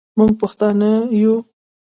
موږ پښتانه یو